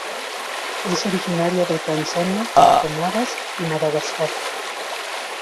Es originaria de Tanzania, Comoras y Madagascar.